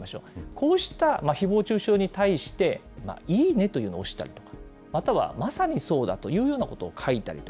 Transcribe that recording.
こうしたひぼう中傷に対して、いいねというのを押した、または、まさにそうだというようなことを書いたと。